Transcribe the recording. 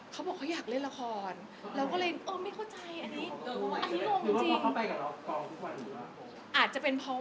บางอย่างเดียวแกร่งอาหาร